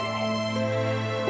untuk mengobati luka dalammu